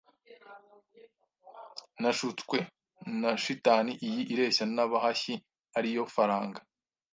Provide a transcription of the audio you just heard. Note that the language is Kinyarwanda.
Nashutswe na shitani iyi ireshya abahashyi ari yo faranga